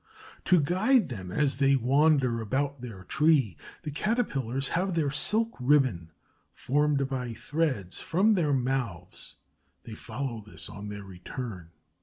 To guide them as they wander about their tree, the Caterpillars have their silk ribbon, formed by threads from their mouths. They follow this on their return.